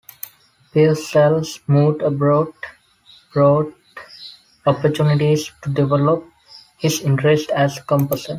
Pearsall's move abroad brought opportunities to develop his interests as a composer.